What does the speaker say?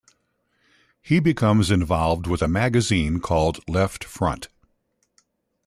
He becomes involved with a magazine called Left Front.